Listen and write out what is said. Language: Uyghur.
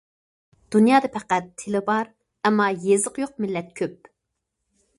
دۇنيادا پەقەت تىلى بار، ئەمما يېزىقى يوق مىللەت كۆپ.